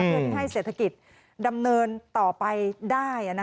เพื่อที่ให้เศรษฐกิจดำเนินต่อไปได้